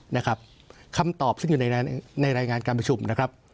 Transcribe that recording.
นะครับคำตอบซึ่งอยู่ในในรายงานการประชุมนะครับ